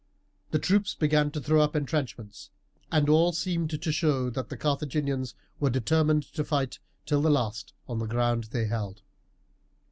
The troops began to throw up intrenchments, and all seemed to show that the Carthaginians were determined to fight till the last on the ground they held.